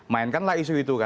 mainkanlah isu itu kan